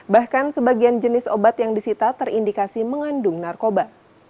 bahkan sebagian jenis obat yang disita terindikasi mengandung narkoba